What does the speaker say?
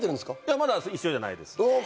まだ一緒ではないです。